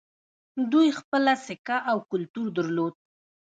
دوی خپله سکه او کلتور درلود